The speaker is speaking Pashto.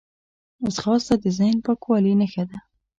ځغاسته د ذهن پاکوالي نښه ده